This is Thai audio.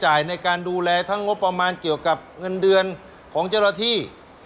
ในการดูแลทั้งงบประมาณเกี่ยวกับเงินเดือนของเจ้าหน้าที่